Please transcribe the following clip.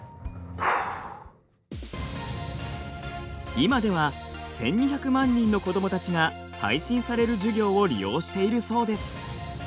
今では１，２００万人の子どもたちが配信される授業を利用しているそうです。